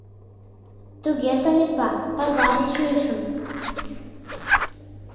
— Туге, Санепа, пазарыш мийышым.